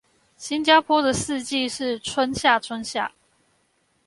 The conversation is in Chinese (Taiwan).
新加坡的四季是春夏春夏